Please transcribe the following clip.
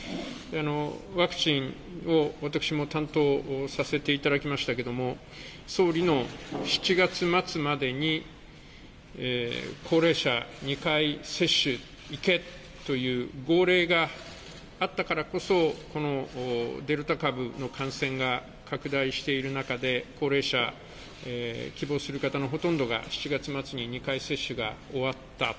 ワクチンを私も担当させていただきましたけれども、総理の７月末までに高齢者２回接種、いけという号令があったからこそ、このデルタ株の感染が拡大している中で、高齢者、希望する方のほとんどが、７月末に２回接種が終わった。